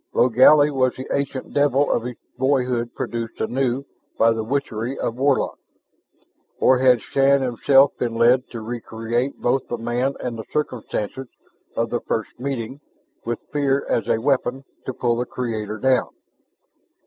Logally was the ancient devil of his boyhood produced anew by the witchery of Warlock. Or had Shann himself been led to recreate both the man and the circumstances of their first meeting with fear as a weapon to pull the creator down?